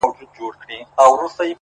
اوس به ورته ډېر ،ډېر انـتـظـار كوم،